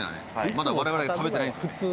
まだ我々食べてないんですよね。